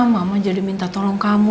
mama jadi minta tolong kamu